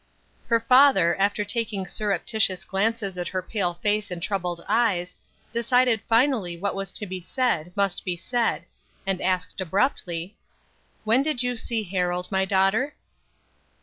Her father, after taking surreptitious glances at her pale face and troubled eyes, decided finally that what was to be said must be said, and asked, abruptly: "When did you see Harold, my daughter?"